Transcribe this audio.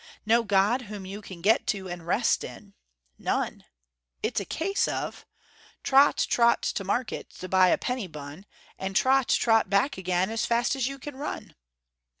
No God, whom you can get to and rest in. None. It's a case of: 'Trot, trot to market, to buy a penny bun, And trot, trot back again, as fast as you can run.'